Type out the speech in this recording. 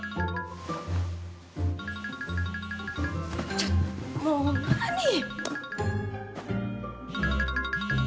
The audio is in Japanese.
ちょっもう何っ！